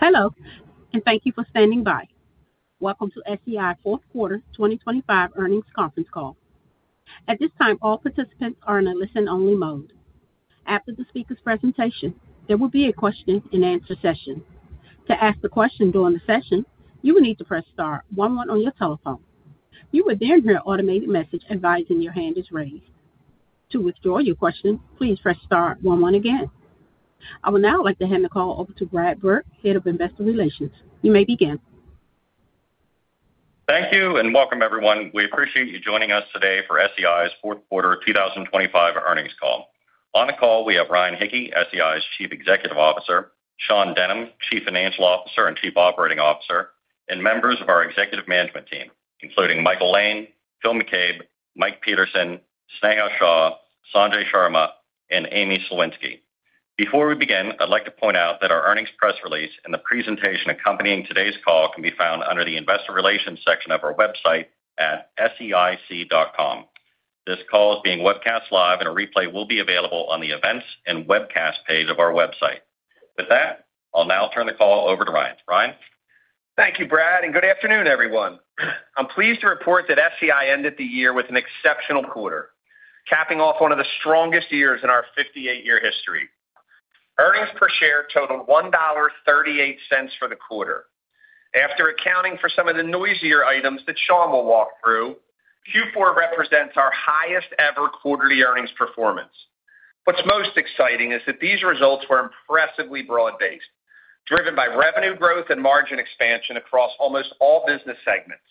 Hello, and thank you for standing by. Welcome to SEI Fourth Quarter 2025 Earnings Conference Call. At this time, all participants are in a listen-only mode. After the speaker's presentation, there will be a question-and-answer session. To ask a question during the session, you will need to press star 11 on your telephone. You will then hear an automated message advising your hand is raised. To withdraw your question, please press star 11 again. I would now like to hand the call over to Brad Burke, Head of Investor Relations. You may begin. Thank you, and welcome, everyone. We appreciate you joining us today for SEI's fourth quarter 2025 earnings call. On the call, we have Ryan Hicke, SEI's Chief Executive Officer, Sean Denham, Chief Financial Officer and Chief Operating Officer, and members of our executive management team, including Michael Lane, Phil McCabe, Mike Peterson, Sanjay Sharma, and Amy Sliwinski. Before we begin, I'd like to point out that our earnings press release and the presentation accompanying today's call can be found under the Investor Relations section of our website at seic.com. This call is being webcast live, and a replay will be available on the Events and Webcast page of our website. With that, I'll now turn the call over to Ryan. Ryan? Thank you, Brad, and good afternoon, everyone. I'm pleased to report that SEI ended the year with an exceptional quarter, capping off one of the strongest years in our 58-year history. Earnings per share totaled $1.38 for the quarter. After accounting for some of the noisier items that Sean will walk through, Q4 represents our highest-ever quarterly earnings performance. What's most exciting is that these results were impressively broad-based, driven by revenue growth and margin expansion across almost all business segments.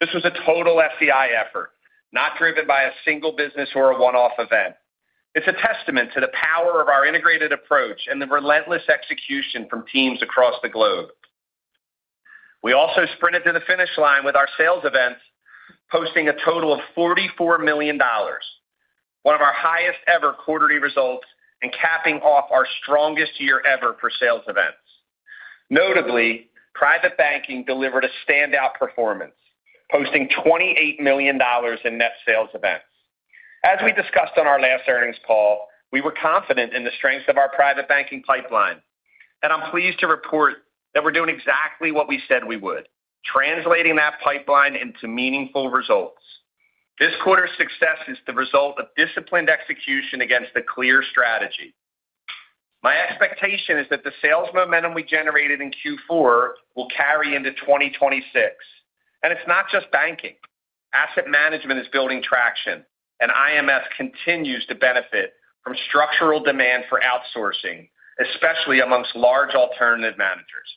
This was a total SEI effort, not driven by a single business or a one-off event. It's a testament to the power of our integrated approach and the relentless execution from teams across the globe. We also sprinted to the finish line with our sales events, posting a total of $44 million, one of our highest-ever quarterly results and capping off our strongest year ever for sales events. Notably, private banking delivered a standout performance, posting $28 million in net sales events. As we discussed on our last earnings call, we were confident in the strength of our private banking pipeline, and I'm pleased to report that we're doing exactly what we said we would, translating that pipeline into meaningful results. This quarter's success is the result of disciplined execution against a clear strategy. My expectation is that the sales momentum we generated in Q4 will carry into 2026, and it's not just banking. Asset management is building traction, and IMS continues to benefit from structural demand for outsourcing, especially amongst large alternative managers.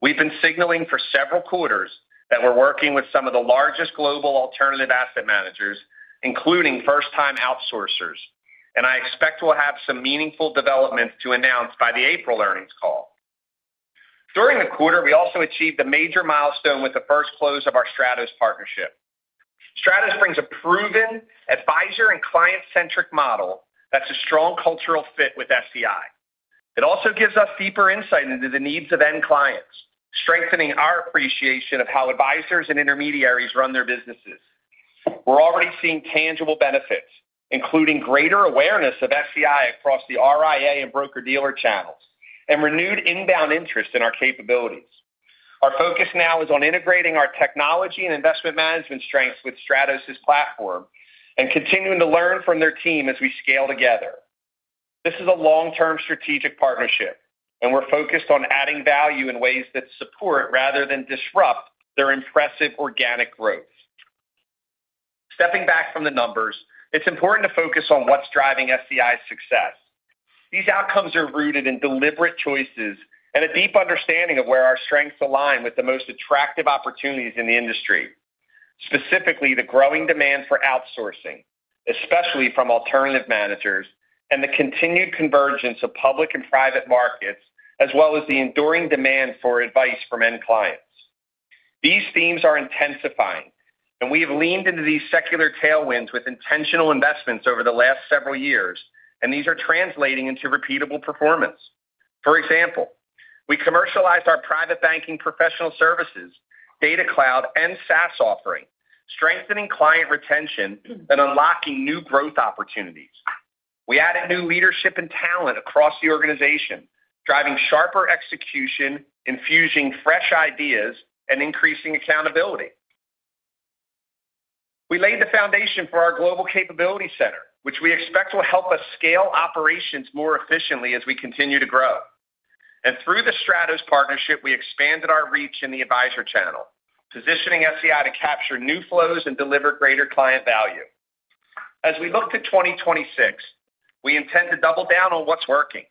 We've been signaling for several quarters that we're working with some of the largest global alternative asset managers, including first-time outsourcers, and I expect we'll have some meaningful developments to announce by the April earnings call. During the quarter, we also achieved a major milestone with the first close of our Stratos partnership. Stratos brings a proven advisor and client-centric model that's a strong cultural fit with SEI. It also gives us deeper insight into the needs of end clients, strengthening our appreciation of how advisors and intermediaries run their businesses. We're already seeing tangible benefits, including greater awareness of SEI across the RIA and broker-dealer channels and renewed inbound interest in our capabilities. Our focus now is on integrating our technology and investment management strengths with Stratos's platform and continuing to learn from their team as we scale together. This is a long-term strategic partnership, and we're focused on adding value in ways that support rather than disrupt their impressive organic growth. Stepping back from the numbers, it's important to focus on what's driving SEI's success. These outcomes are rooted in deliberate choices and a deep understanding of where our strengths align with the most attractive opportunities in the industry, specifically the growing demand for outsourcing, especially from alternative managers, and the continued convergence of public and private markets, as well as the enduring demand for advice from end clients. These themes are intensifying, and we have leaned into these secular tailwinds with intentional investments over the last several years, and these are translating into repeatable performance. For example, we commercialized our private banking professional services, data cloud, and SaaS offering, strengthening client retention and unlocking new growth opportunities. We added new leadership and talent across the organization, driving sharper execution, infusing fresh ideas, and increasing accountability. We laid the foundation for our global capability center, which we expect will help us scale operations more efficiently as we continue to grow. Through the Stratos partnership, we expanded our reach in the advisor channel, positioning SEI to capture new flows and deliver greater client value. As we look to 2026, we intend to double down on what's working.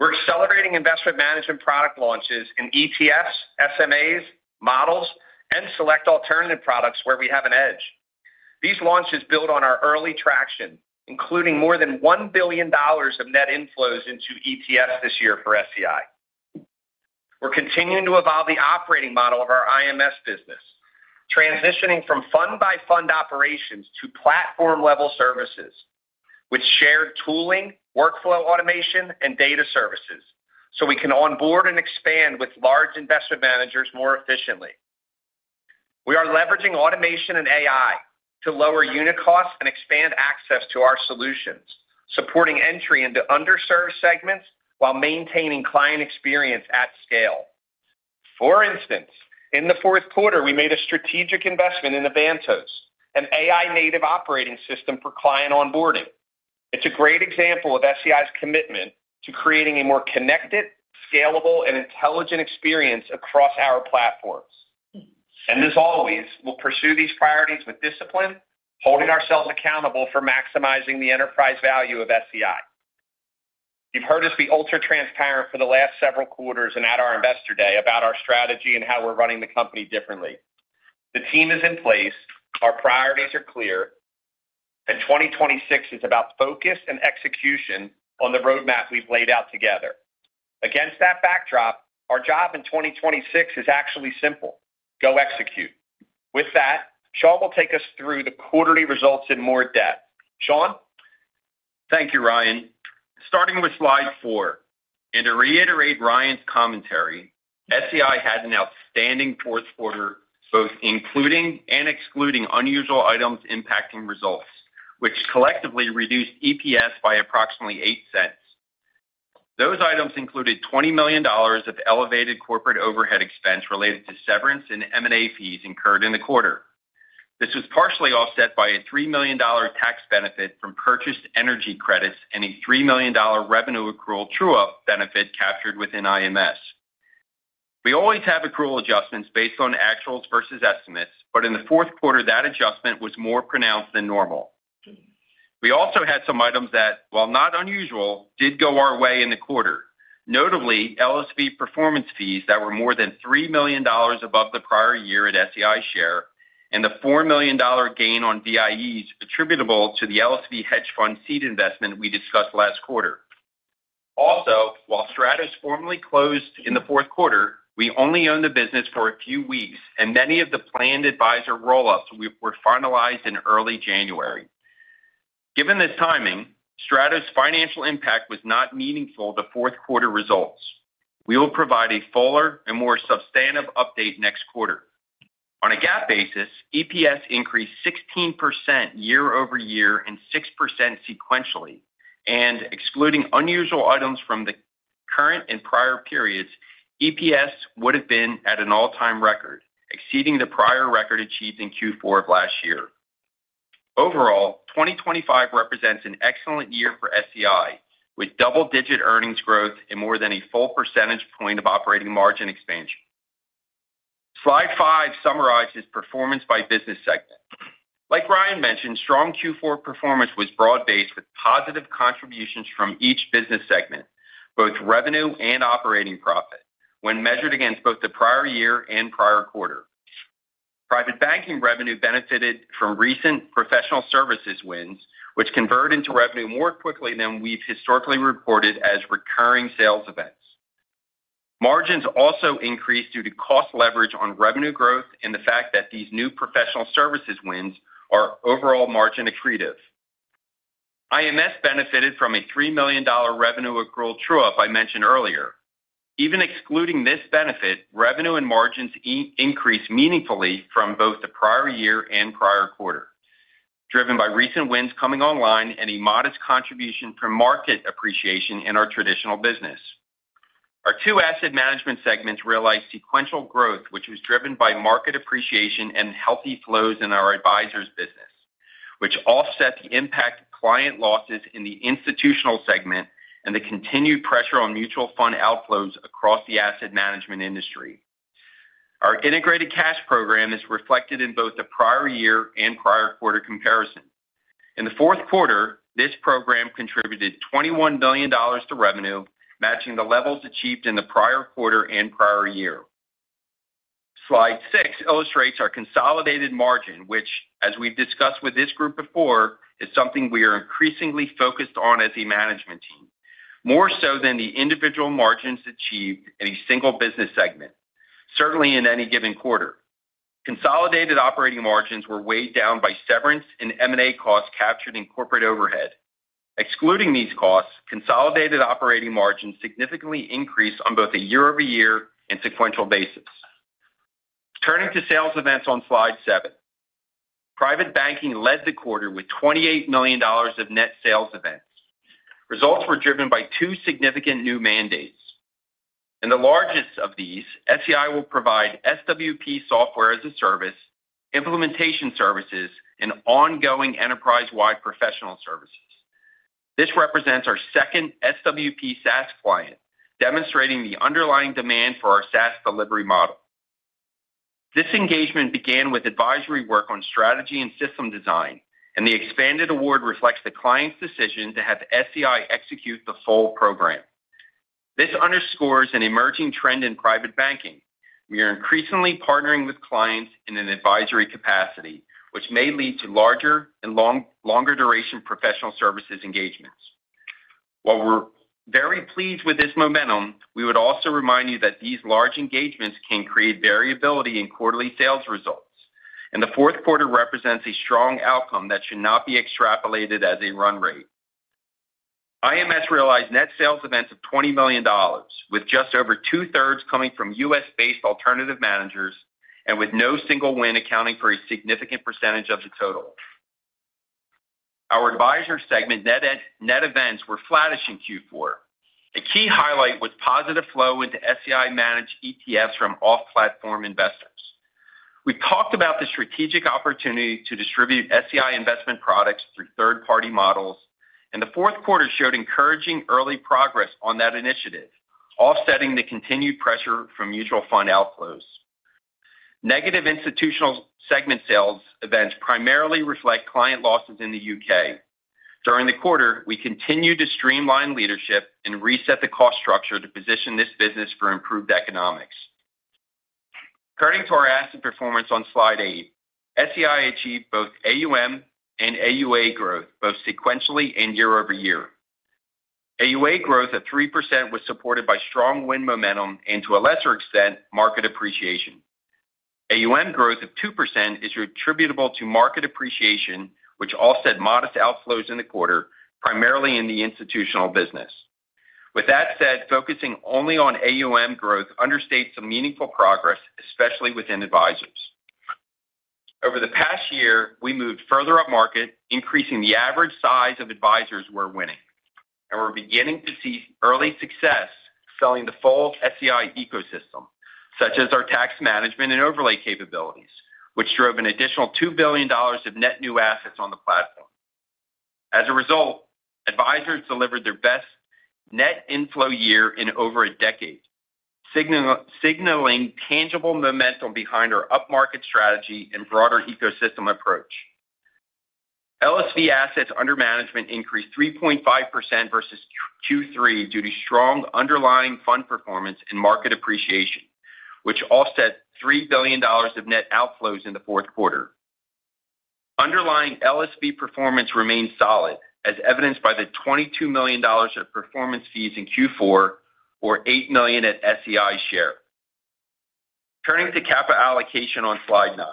We're accelerating investment management product launches in ETFs, SMAs, models, and select alternative products where we have an edge. These launches build on our early traction, including more than $1 billion of net inflows into ETFs this year for SEI. We're continuing to evolve the operating model of our IMS business, transitioning from fund-by-fund operations to platform-level services with shared tooling, workflow automation, and data services, so we can onboard and expand with large investment managers more efficiently. We are leveraging automation and AI to lower unit costs and expand access to our solutions, supporting entry into underserved segments while maintaining client experience at scale. For instance, in the fourth quarter, we made a strategic investment in Avantos, an AI-native operating system for client onboarding. It's a great example of SEI's commitment to creating a more connected, scalable, and intelligent experience across our platforms. And as always, we'll pursue these priorities with discipline, holding ourselves accountable for maximizing the enterprise value of SEI. You've heard us be ultra-transparent for the last several quarters and at our Investor Day about our strategy and how we're running the company differently. The team is in place, our priorities are clear, and 2026 is about focus and execution on the roadmap we've laid out together. Against that backdrop, our job in 2026 is actually simple: go execute. With that, Sean will take us through the quarterly results in more depth. Sean? Thank you, Ryan. Starting with slide 4, and to reiterate Ryan's commentary, SEI had an outstanding fourth quarter, both including and excluding unusual items impacting results, which collectively reduced EPS by approximately $0.08. Those items included $20 million of elevated corporate overhead expense related to severance and M&A fees incurred in the quarter. This was partially offset by a $3 million tax benefit from purchased energy credits and a $3 million revenue accrual true-up benefit captured within IMS. We always have accrual adjustments based on actuals versus estimates, but in the fourth quarter, that adjustment was more pronounced than normal. We also had some items that, while not unusual, did go our way in the quarter. Notably, LSV performance fees that were more than $3 million above the prior year at SEI share, and the $4 million gain on VIEs attributable to the LSV hedge fund seed investment we discussed last quarter. Also, while Stratos formally closed in the fourth quarter, we only owned the business for a few weeks, and many of the planned advisor roll-ups we were finalized in early January. Given this timing, Stratos' financial impact was not meaningful to fourth-quarter results. We will provide a fuller and more substantive update next quarter. On a GAAP basis, EPS increased 16% year-over-year and 6% sequentially, and excluding unusual items from the current and prior periods, EPS would have been at an all-time record, exceeding the prior record achieved in Q4 of last year. Overall, 2025 represents an excellent year for SEI, with double-digit earnings growth and more than a full percentage point of operating margin expansion. Slide 5 summarizes performance by business segment. Like Ryan mentioned, strong Q4 performance was broad-based, with positive contributions from each business segment, both revenue and operating profit, when measured against both the prior year and prior quarter. Private banking revenue benefited from recent professional services wins, which convert into revenue more quickly than we've historically reported as recurring sales events. Margins also increased due to cost leverage on revenue growth and the fact that these new professional services wins are overall margin accretive. IMS benefited from a $3 million revenue accrual true-up I mentioned earlier. Even excluding this benefit, revenue and margins increased meaningfully from both the prior year and prior quarter, driven by recent wins coming online and a modest contribution from market appreciation in our traditional business. Our two asset management segments realized sequential growth, which was driven by market appreciation and healthy flows in our advisors business, which offset the impact of client losses in the institutional segment and the continued pressure on mutual fund outflows across the asset management industry. Our integrated cash program is reflected in both the prior year and prior quarter comparison. In the fourth quarter, this program contributed $21 billion to revenue, matching the levels achieved in the prior quarter and prior year. Slide 6 illustrates our consolidated margin, which, as we've discussed with this group before, is something we are increasingly focused on as a management team, more so than the individual margins achieved in a single business segment, certainly in any given quarter. Consolidated operating margins were weighed down by severance and M&A costs captured in corporate overhead. Excluding these costs, consolidated operating margins significantly increased on both a year-over-year and sequential basis. Turning to sales events on slide 7. Private banking led the quarter with $28 million of net sales events. Results were driven by two significant new mandates. In the largest of these, SEI will provide SWP software as a service, implementation services, and ongoing enterprise-wide professional services. This represents our second SWP SaaS client, demonstrating the underlying demand for our SaaS delivery model. This engagement began with advisory work on strategy and system design, and the expanded award reflects the client's decision to have SEI execute the whole program. This underscores an emerging trend in private banking. We are increasingly partnering with clients in an advisory capacity, which may lead to larger and longer-duration professional services engagements. While we're very pleased with this momentum, we would also remind you that these large engagements can create variability in quarterly sales results, and the fourth quarter represents a strong outcome that should not be extrapolated as a run rate. IMS realized net sales events of $20 million, with just over two-thirds coming from U.S.-based alternative managers and with no single win accounting for a significant percentage of the total. Our advisor segment net events were flattish in Q4. A key highlight was positive flow into SEI managed ETFs from off-platform investors. We talked about the strategic opportunity to distribute SEI investment products through third-party models, and the fourth quarter showed encouraging early progress on that initiative, offsetting the continued pressure from mutual fund outflows. Negative institutional segment sales events primarily reflect client losses in the UK. During the quarter, we continued to streamline leadership and reset the cost structure to position this business for improved economics. Turning to our asset performance on Slide 8. SEI achieved both AUM and AUA growth, both sequentially and year-over-year. AUA growth at 3% was supported by strong win momentum and, to a lesser extent, market appreciation. AUM growth of 2% is attributable to market appreciation, which offset modest outflows in the quarter, primarily in the institutional business. With that said, focusing only on AUM growth understates some meaningful progress, especially within advisors. Over the past year, we moved further up market, increasing the average size of advisors we're winning, and we're beginning to see early success selling the full SEI ecosystem, such as our tax management and overlay capabilities, which drove an additional $2 billion of net new assets on the platform. As a result, advisors delivered their best net inflow year in over a decade, signaling tangible momentum behind our upmarket strategy and broader ecosystem approach. LSV assets under management increased 3.5% versus 2023 due to strong underlying fund performance and market appreciation, which offset $3 billion of net outflows in the fourth quarter. Underlying LSV performance remains solid, as evidenced by the $22 million of performance fees in Q4, or $8 million at SEI share. Turning to capital allocation on Slide 9.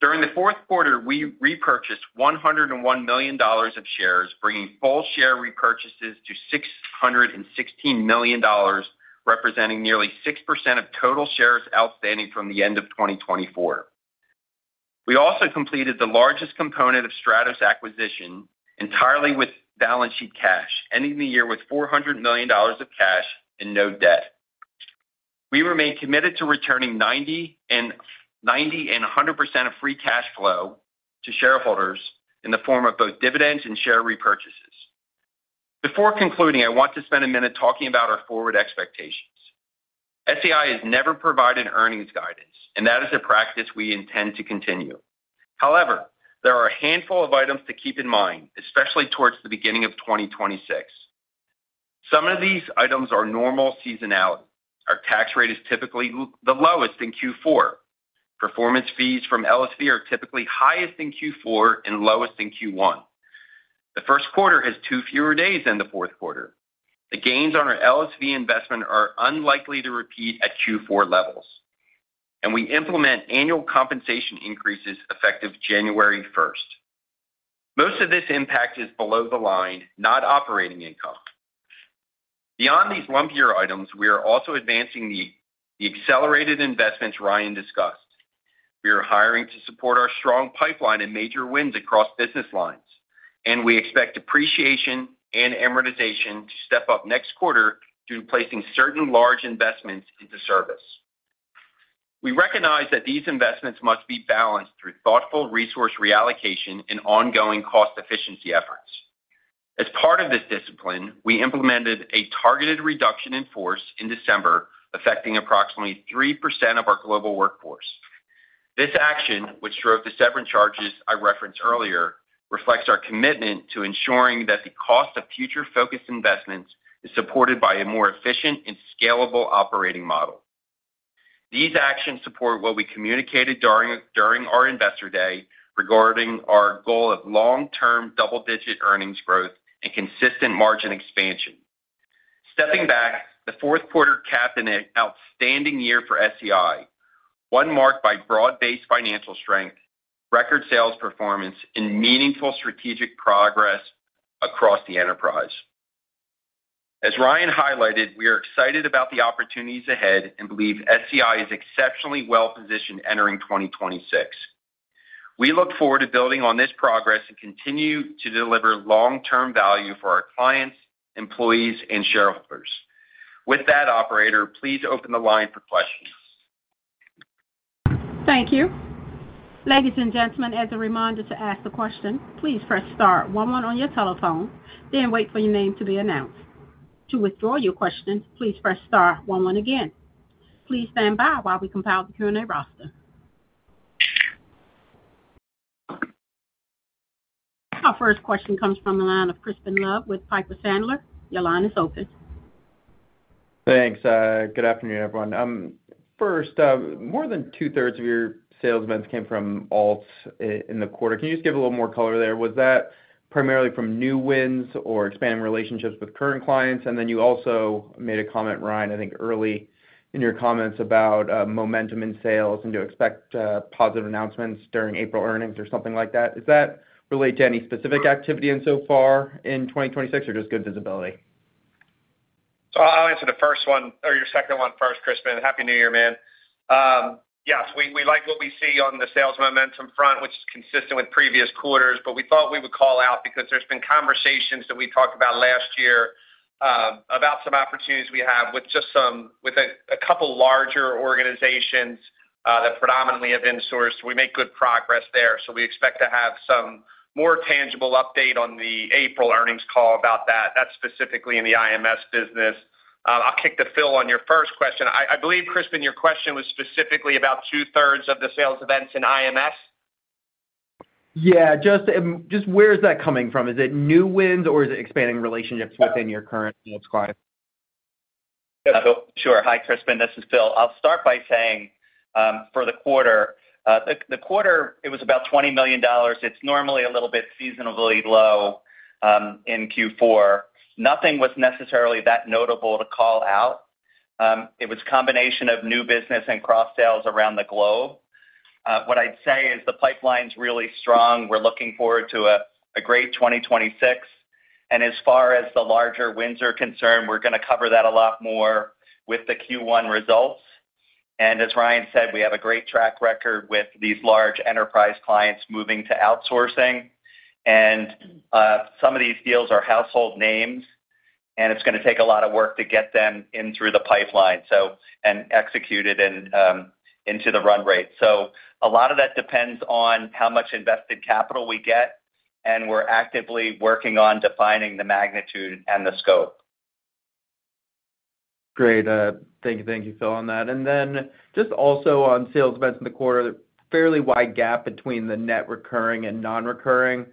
During the fourth quarter, we repurchased $101 million of shares, bringing full share repurchases to $616 million, representing nearly 6% of total shares outstanding from the end of 2024. We also completed the largest component of Stratos acquisition entirely with balance sheet cash, ending the year with $400 million of cash and no debt. We remain committed to returning 90%-100% of free cash flow to shareholders in the form of both dividends and share repurchases. Before concluding, I want to spend a minute talking about our forward expectations. SEI has never provided earnings guidance, and that is a practice we intend to continue. However, there are a handful of items to keep in mind, especially towards the beginning of 2026. Some of these items are normal seasonality. Our tax rate is typically the lowest in Q4. Performance fees from LSV are typically highest in Q4 and lowest in Q1. The first quarter has two fewer days than the fourth quarter. The gains on our LSV investment are unlikely to repeat at Q4 levels, and we implement annual compensation increases effective January first. Most of this impact is below the line, not operating income. Beyond these lumpier items, we are also advancing the accelerated investments Ryan discussed. We are hiring to support our strong pipeline and major wins across business lines, and we expect depreciation and amortization to step up next quarter due to placing certain large investments into service. We recognize that these investments must be balanced through thoughtful resource reallocation and ongoing cost efficiency efforts. As part of this discipline, we implemented a targeted reduction in force in December, affecting approximately 3% of our global workforce. This action, which drove the severance charges I referenced earlier, reflects our commitment to ensuring that the cost of future focused investments is supported by a more efficient and scalable operating model. These actions support what we communicated during our Investor Day regarding our goal of long-term double-digit earnings growth and consistent margin expansion. Stepping back, the fourth quarter capped an outstanding year for SEI, one marked by broad-based financial strength, record sales performance and meaningful strategic progress across the enterprise. As Ryan highlighted, we are excited about the opportunities ahead and believe SEI is exceptionally well positioned entering 2026. We look forward to building on this progress and continue to deliver long-term value for our clients, employees, and shareholders. With that, operator, please open the line for questions. Thank you. Ladies and gentlemen, as a reminder to ask a question, please press star one one on your telephone, then wait for your name to be announced. To withdraw your question, please press star one one again. Please stand by while we compile the Q&A roster. Our first question comes from the line of Crispin Love with Piper Sandler. Your line is open. Thanks, good afternoon, everyone. First, more than two-thirds of your sales events came from alts in the quarter. Can you just give a little more color there? Was that primarily from new wins or expanding relationships with current clients? And then you also made a comment, Ryan, I think early in your comments about momentum in sales, and you expect positive announcements during April earnings or something like that. Does that relate to any specific activity and so far in 2026 or just good visibility? So I'll answer the first one or your second one first, Crispin. Happy New Year, man. Yes, we like what we see on the sales momentum front, which is consistent with previous quarters, but we thought we would call out because there's been conversations that we talked about last year, about some opportunities we have with a couple larger organizations, that predominantly have been sourced. We make good progress there, so we expect to have some more tangible update on the April earnings call about that. That's specifically in the IMS business. I'll kick to Phil on your first question. I believe, Crispin, your question was specifically about two-thirds of the sales events in IMS? Yeah, just, just where is that coming from? Is it new wins, or is it expanding relationships within your current sales clients? Sure. Hi, Crispin, this is Phil. I'll start by saying, for the quarter, it was about $20 million. It's normally a little bit seasonally low in Q4. Nothing was necessarily that notable to call out. It was a combination of new business and cross sales around the globe. What I'd say is the pipeline's really strong. We're looking forward to a great 2026, and as far as the larger wins are concerned, we're gonna cover that a lot more with the Q1 results. And as Ryan said, we have a great track record with these large enterprise clients moving to outsourcing. And some of these deals are household names, and it's gonna take a lot of work to get them in through the pipeline, so, and executed and into the run rate. A lot of that depends on how much invested capital we get, and we're actively working on defining the magnitude and the scope. Great. Thank you. Thank you, Phil, on that. And then just also on sales events in the quarter, fairly wide gap between the net recurring and non-recurring.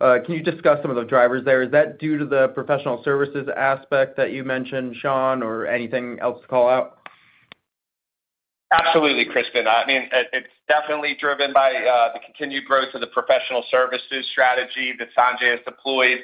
Can you discuss some of the drivers there? Is that due to the professional services aspect that you mentioned, Sean, or anything else to call out? Absolutely, Crispin. I mean, it, it's definitely driven by the continued growth of the professional services strategy that Sanjay has deployed.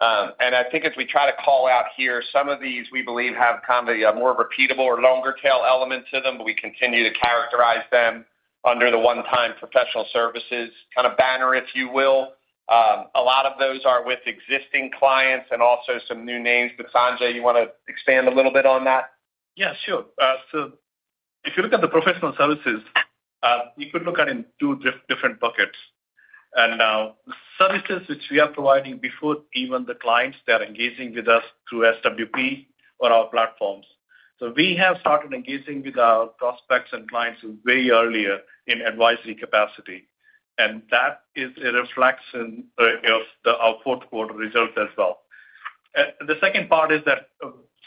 And I think as we try to call out here, some of these we believe have kind of a more repeatable or longer tail element to them, but we continue to characterize them under the one-time professional services kind of banner, if you will. A lot of those are with existing clients and also some new names, but Sanjay, you wanna expand a little bit on that? Yeah, sure. So if you look at the professional services, you could look at in two different buckets. Services which we are providing before even the clients, they're engaging with us through SWP or our platforms. So we have started engaging with our prospects and clients way earlier in advisory capacity, and that is a reflection of our fourth quarter results as well. The second part is that,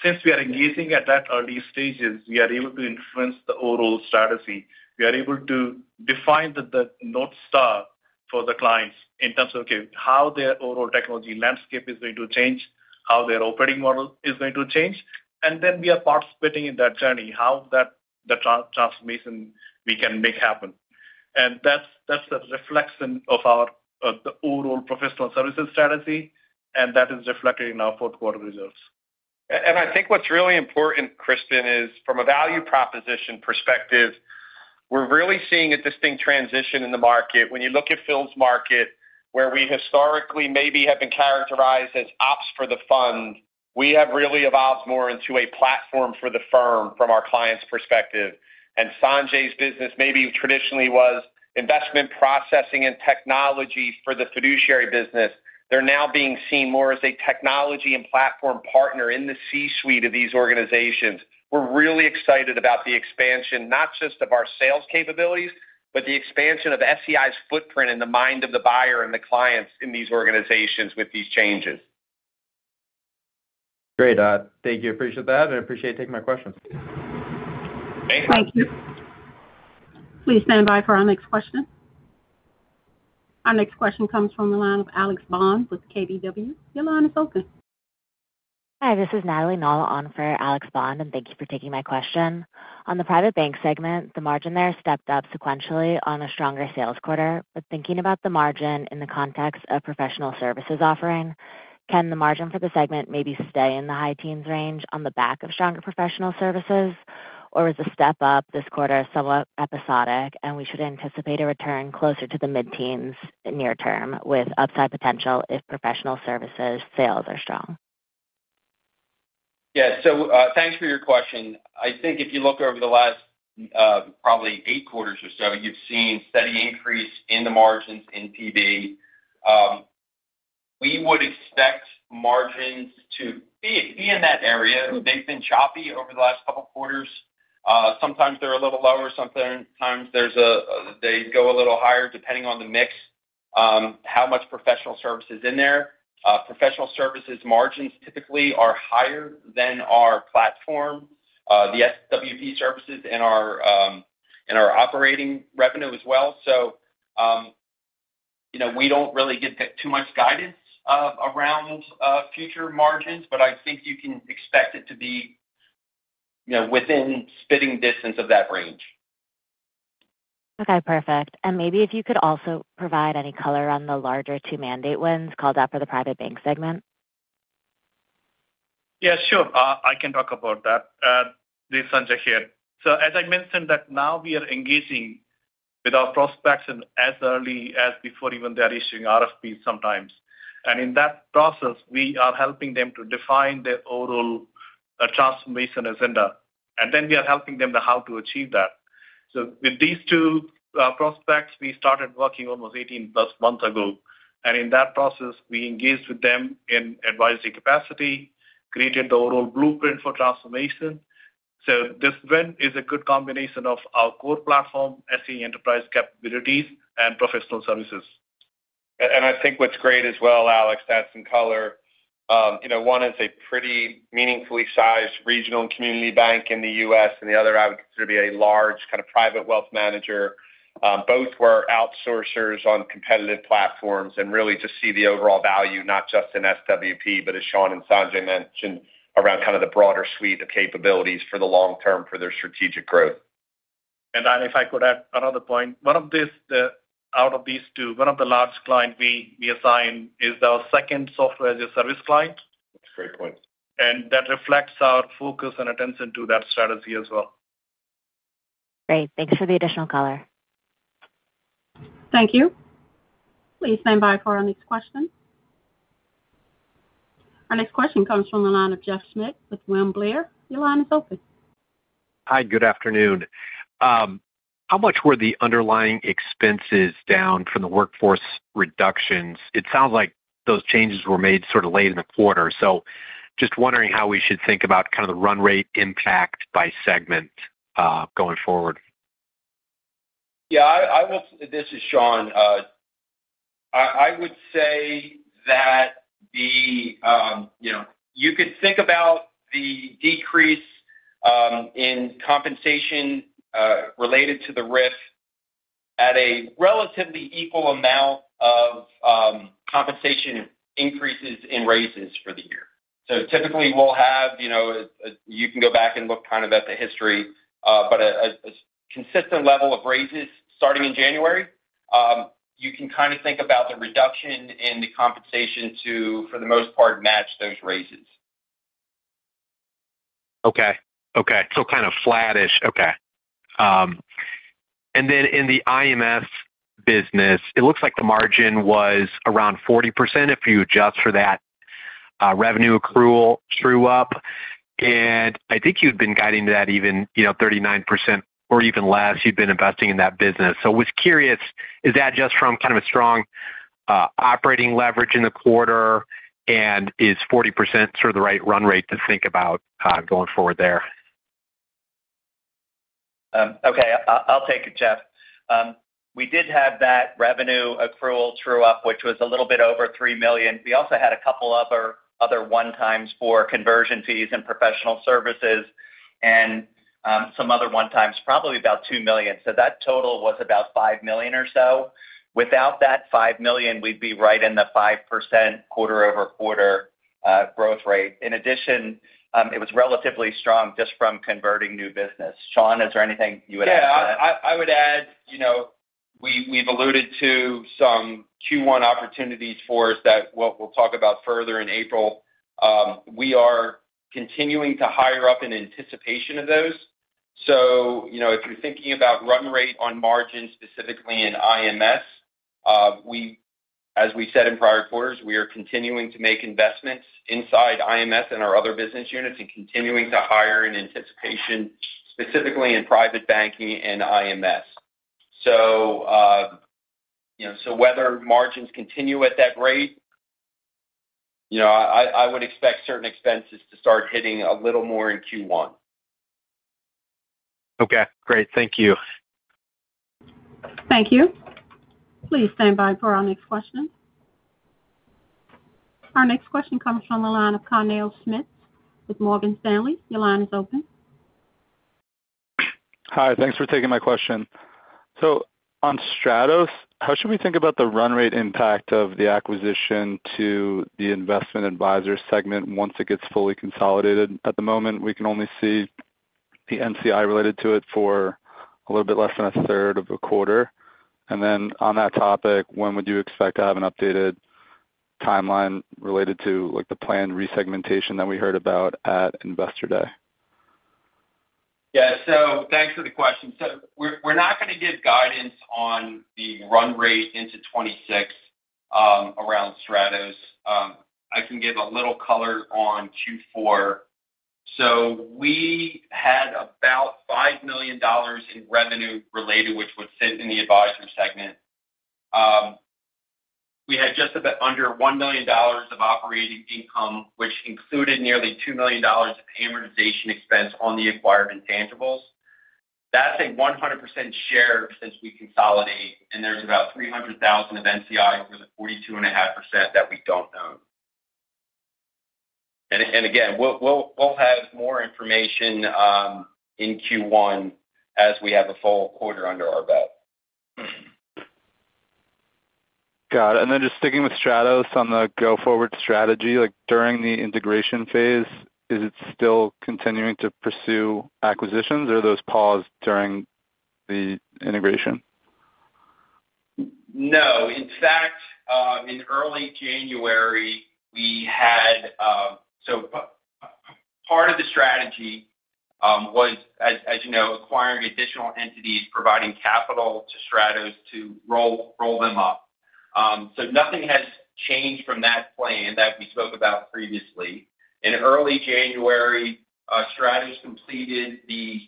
since we are engaging at that early stages, we are able to influence the overall strategy. We are able to define the North Star for the clients in terms of, okay, how their overall technology landscape is going to change, how their operating model is going to change, and then we are participating in that journey, how that transformation we can make happen. That's, that's the reflection of our the overall professional services strategy, and that is reflected in our fourth quarter results. And I think what's really important, Crispin, is from a value proposition perspective, we're really seeing a distinct transition in the market. When you look at Phil's market, where we historically maybe have been characterized as ops for the fund, we have really evolved more into a platform for the firm from our client's perspective. And Sanjay's business maybe traditionally was investment processing and technology for the fiduciary business. They're now being seen more as a technology and platform partner in the C-suite of these organizations. We're really excited about the expansion, not just of our sales capabilities, but the expansion of SEI's footprint in the mind of the buyer and the clients in these organizations with these changes. Great. Thank you. Appreciate that, and I appreciate you taking my questions. Thank you. Thank you. Please stand by for our next question. Our next question comes from the line of Alex Bond with KBW. Your line is open. Hi, this is Natalie Null on for Alex Bond, and thank you for taking my question. On the private bank segment, the margin there stepped up sequentially on a stronger sales quarter. But thinking about the margin in the context of professional services offering, can the margin for the segment maybe stay in the high teens range on the back of stronger professional services? Or is the step up this quarter somewhat episodic, and we should anticipate a return closer to the mid-teens near term, with upside potential if professional services sales are strong? Yeah. So, thanks for your question. I think if you look over the last, probably eight quarters or so, you've seen steady increase in the margins in PB. We would expect margins to be in that area. They've been choppy over the last couple quarters. Sometimes they're a little lower, sometimes they go a little higher, depending on the mix, how much professional services in there. Professional services margins typically are higher than our platform, the SWP services and our operating revenue as well. So, you know, we don't really give too much guidance around future margins, but I think you can expect it to be, you know, within spitting distance of that range. Okay, perfect. And maybe if you could also provide any color on the larger two mandate wins called out for the private bank segment? Yeah, sure. I can talk about that. This is Sanjay here. So as I mentioned that now we are engaging with our prospects and as early as before even they're issuing RFPs sometimes. And in that process, we are helping them to define their overall transformation agenda, and then we are helping them to how to achieve that. So with these two prospects, we started working almost 18+ months ago, and in that process, we engaged with them in advisory capacity, created the overall blueprint for transformation. So this win is a good combination of our core platform, SEI enterprise capabilities, and professional services. I think what's great as well, Alex, to add some color, you know, one is a pretty meaningfully sized regional community bank in the US, and the other I would consider to be a large kind of private wealth manager. Both were outsourcers on competitive platforms and really just see the overall value, not just in SWP, but as Sean and Sanjay mentioned, around kind of the broader suite of capabilities for the long term for their strategic growth. Then if I could add another point. One of these, out of these two, one of the large client we assigned is our second software as a service client. That's a great point. That reflects our focus and attention to that strategy as well. Great. Thanks for the additional color. Thank you. Please stand by for our next question. Our next question comes from the line of Jeff Schmitt with William Blair. Your line is open. Hi, good afternoon. How much were the underlying expenses down from the workforce reductions? It sounds like those changes were made sort of late in the quarter, so just wondering how we should think about kind of the run rate impact by segment, going forward. Yeah, I will. This is Sean. I would say that the, you know, you could think about the decrease in compensation related to the RIF at a relatively equal amount of compensation increases in raises for the year. So typically, we'll have, you know, you can go back and look kind of at the history, but a consistent level of raises starting in January. You can kind of think about the reduction in the compensation to, for the most part, match those raises. Okay. Okay, so kind of flattish. Okay. And then in the IMS business, it looks like the margin was around 40% if you adjust for that, revenue accrual true up. And I think you've been guiding that even, you know, 39% or even less, you've been investing in that business. So was curious, is that just from kind of a strong, operating leverage in the quarter, and is 40% sort of the right run rate to think about, going forward there? Okay, I'll take it, Jeff. We did have that revenue accrual true up, which was a little bit over $3 million. We also had a couple other one times for conversion fees and professional services and some other one times, probably about $2 million. So that total was about $5 million or so. Without that $5 million, we'd be right in the 5% quarter-over-quarter growth rate. In addition, it was relatively strong just from converting new business. Sean, is there anything you would add to that? Yeah, I would add, you know, we, we've alluded to some Q1 opportunities for us that we'll talk about further in April. We are continuing to hire up in anticipation of those. So, you know, if you're thinking about run rate on margin, specifically in IMS, we, as we said in prior quarters, we are continuing to make investments inside IMS and our other business units and continuing to hire in anticipation, specifically in private banking and IMS. So, you know, so whether margins continue at that rate, you know, I would expect certain expenses to start hitting a little more in Q1. Okay, great. Thank you. Thank you. Please stand by for our next question. Our next question comes from the line of Kerner Smith with Morgan Stanley. Your line is open. Hi, thanks for taking my question. On Stratos, how should we think about the run rate impact of the acquisition to the investment advisor segment once it gets fully consolidated? At the moment, we can only see the NCI related to it for a little bit less than a third of a quarter. Then on that topic, when would you expect to have an updated timeline related to, like, the planned resegmentation that we heard about at Investor Day? Yeah. So thanks for the question. So we're not going to give guidance on the run rate into 2026 around Stratos. I can give a little color on Q4. So we had about $5 million in revenue related, which would sit in the advisory segment. We had just about under $1 million of operating income, which included nearly $2 million of amortization expense on the acquired intangibles. That's a 100% share since we consolidate, and there's about $300,000 of NCI for the 42.5% that we don't own. And again, we'll have more information in Q1 as we have a full quarter under our belt. Got it. And then just sticking with Stratos on the go-forward strategy, like, during the integration phase, is it still continuing to pursue acquisitions, or are those paused during the integration? No, in fact, in early January, we had, so part of the strategy was, as you know, acquiring additional entities, providing capital to Stratos to roll them up. So nothing has changed from that plan that we spoke about previously. In early January, Stratos completed the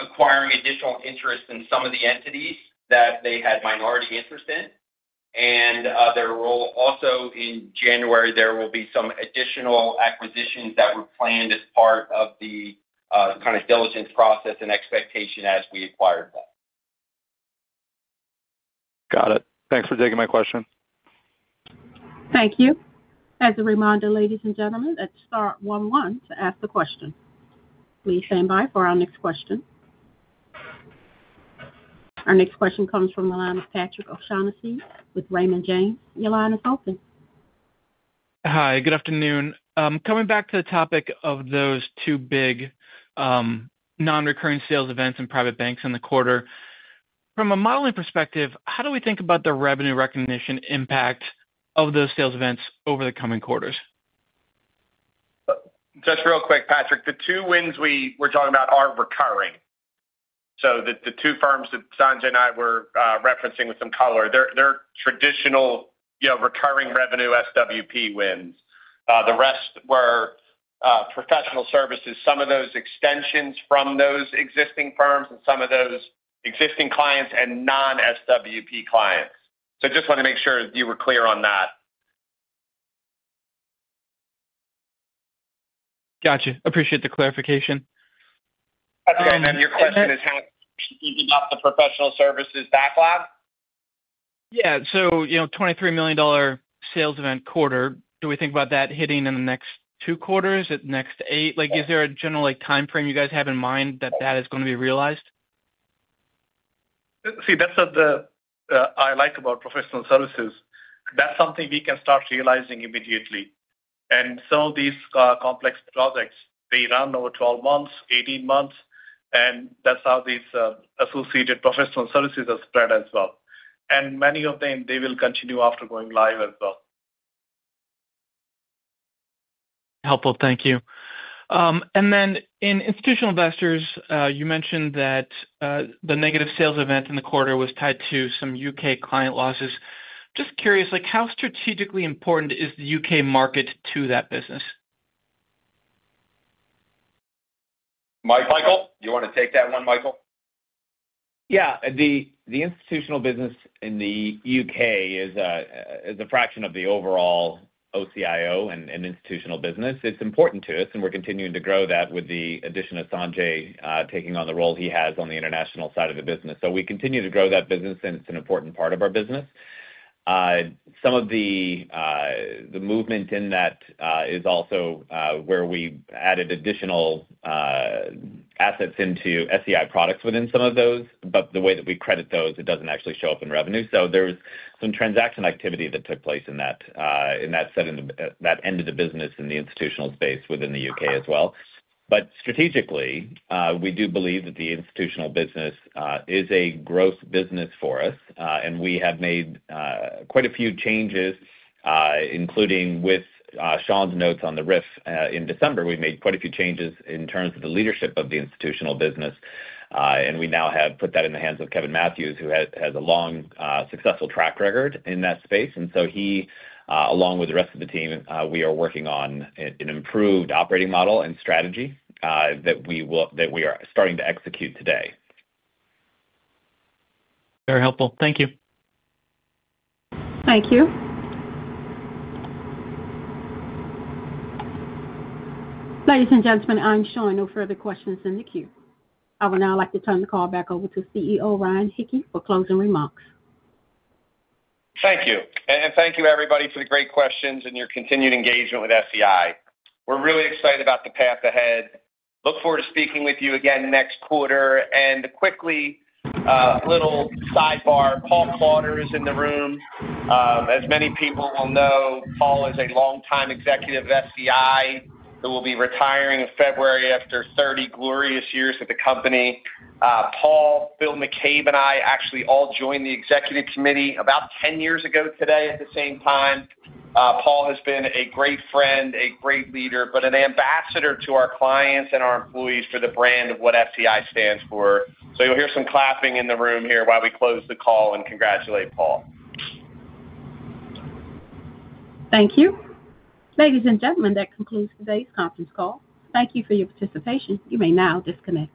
acquiring additional interest in some of the entities that they had minority interest in, and there will also, in January, there will be some additional acquisitions that were planned as part of the kind of diligence process and expectation as we acquired them. Got it. Thanks for taking my question. Thank you. As a reminder, ladies and gentlemen, let's star one one to ask the question. Please stand by for our next question. Our next question comes from the line of Patrick O'Shaughnessy with Raymond James. Your line is open. Hi, good afternoon. Coming back to the topic of those two big, non-recurring sales events and private banks in the quarter. From a modeling perspective, how do we think about the revenue recognition impact of those sales events over the coming quarters? Just real quick, Patrick, the two wins we were talking about are recurring. So the two firms that Sanjay and I were referencing with some color, they're traditional, you know, recurring revenue SWP wins. The rest were professional services, some of those extensions from those existing firms and some of those existing clients and non-SWP clients. So just want to make sure you were clear on that. Gotcha. Appreciate the clarification. And then your question is how off the professional services backlog? Yeah. So, you know, $23 million sales event quarter, do we think about that hitting in the next two quarters, at next eight? Like, is there a general, like, timeframe you guys have in mind that that is going to be realized? See, that's what I like about professional services. That's something we can start realizing immediately. Some of these complex projects, they run over 12 months, 18 months, and that's how these associated professional services are spread as well. Many of them, they will continue after going live as well. Helpful. Thank you. And then in institutional investors, you mentioned that the negative sales event in the quarter was tied to some UK client losses. Just curious, like, how strategically important is the UK market to that business? Michael, do you want to take that one, Michael? Yeah. The institutional business in the U.K. is a fraction of the overall OCIO and institutional business. It's important to us, and we're continuing to grow that with the addition of Sanjay taking on the role he has on the international side of the business. So we continue to grow that business, and it's an important part of our business. Some of the movement in that is also where we've added additional assets into SEI products within some of those, but the way that we credit those, it doesn't actually show up in revenue. So there was some transaction activity that took place in that, in that set in the, that end of the business in the institutional space within the U.K. as well. But strategically, we do believe that the institutional business is a growth business for us, and we have made quite a few changes, including with Sean's notes on the RIF. In December, we made quite a few changes in terms of the leadership of the institutional business, and we now have put that in the hands of Kevin Matthews, who has a long successful track record in that space. And so he, along with the rest of the team, we are working on an improved operating model and strategy that we are starting to execute today. Very helpful. Thank you. Thank you. Ladies and gentlemen, I'm showing no further questions in the queue. I would now like to turn the call back over to CEO Ryan Hicke for closing remarks. Thank you. And thank you, everybody, for the great questions and your continued engagement with SEI. We're really excited about the path ahead. Look forward to speaking with you again next quarter. And quickly, little sidebar, Paul Klauder is in the room. As many people will know, Paul is a longtime executive of SEI, who will be retiring in February after 30 glorious years with the company. Paul, Phil McCabe, and I actually all joined the executive committee about 10 years ago today, at the same time. Paul has been a great friend, a great leader, but an ambassador to our clients and our employees for the brand of what SEI stands for. So you'll hear some clapping in the room here while we close the call and congratulate Paul. Thank you. Ladies and gentlemen, that concludes today's conference call. Thank you for your participation. You may now disconnect.